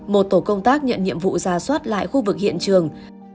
một tổ công tác nhận nhiệm vụ ra soát lại khu vực hiện trường